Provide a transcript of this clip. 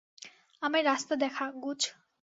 আমায় রাস্তা দেখা, গুজ।